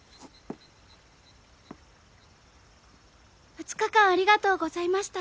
２日間ありがとうございました。